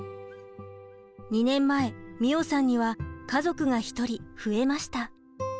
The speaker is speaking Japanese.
２年前美桜さんには家族が一人増えました。